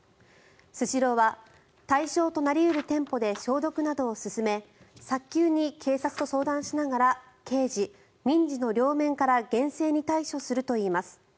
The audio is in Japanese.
スシローは対象となり得る店舗で消毒などを進め早急に警察と相談しながら刑事、民事の両面から厳正に対処するといいます。